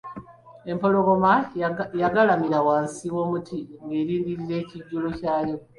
Empologoma yagalamira wansi w'omuti ng'erindirira ekijulo kyayo.